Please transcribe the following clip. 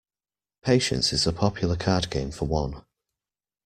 Patience is a popular card game for one